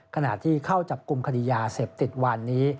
ขณะที่เข้าจับกลุ่มคดียาเสพติดวานนี้